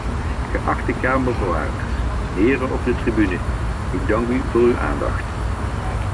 Geachte kamerbewaarders, heren op de tribune, ik dank u voor uw aandacht.